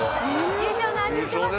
優勝の味してます？